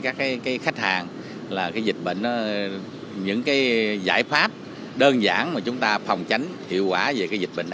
các khách hàng những giải pháp đơn giản mà chúng ta phòng tránh hiệu quả về dịch bệnh